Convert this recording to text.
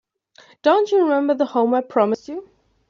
Don't you remember the home I promised you?